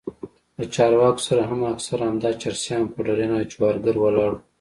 له چارواکو سره هم اکثره همدا چرسيان پوډريان او جوارگر ولاړ وو.